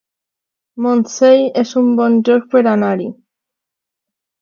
Montseny es un bon lloc per anar-hi